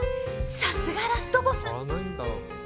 さすがラストボス。